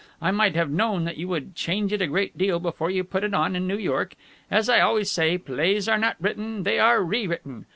I might have known that you would change it a great deal before you put it on in New York. As I always say, plays are not written, they are rewritten!